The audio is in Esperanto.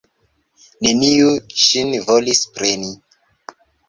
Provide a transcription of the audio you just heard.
Neniu ŝin volis preni.